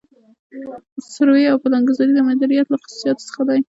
سروې او پلانګذاري د مدیریت له خصوصیاتو څخه دي.